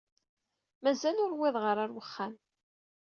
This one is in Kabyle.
Mazal ur wwiḍeɣ ara ar wexxam.